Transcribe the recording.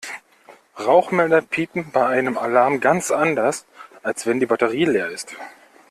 Rauchmelder piepen bei einem Alarm ganz anders, als wenn die Batterie leer ist.